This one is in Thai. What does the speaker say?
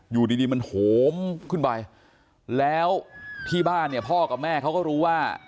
อยู่ดีมันโหมขึ้นไปแล้วที่บ้านเนี่ยพ่อกับแม่เขาก็รู้ว่า